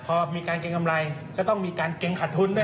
พอมีการเกรงกำไรก็ต้องมีการเกรงขาดทุนด้วย